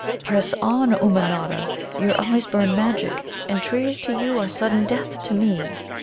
"Press on, Ummanodda; your eyes burn magic, and trees to you are sudden death to me."